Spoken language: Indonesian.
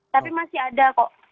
tapi masih ada kok